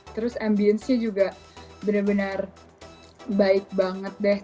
terus ambience nya juga bener bener baik banget deh